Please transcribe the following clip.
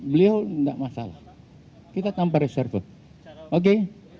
beliau tidak masalah kita tanpa reserve